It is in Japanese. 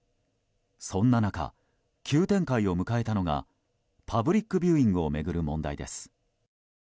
そんな中、急展開を迎えたのがパブリックビューイングを巡る問題です。